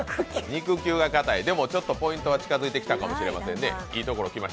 肉球がかたい、でもちょっとポイントが近づいてきたかもしれません。